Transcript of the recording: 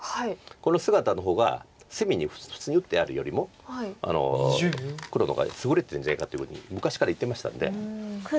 この姿の方が隅に普通に打ってあるよりも黒の方が優れてるんじゃないかっていうふうに昔から言ってましたんで。